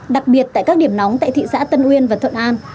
đặc biệt tại các điểm nóng tại thị xã tân uyên và thuận an